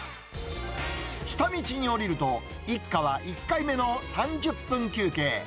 下道に降りると、一家は１回目の３０分休憩。